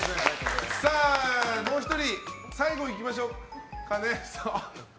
もう１人最後いきましょうかね。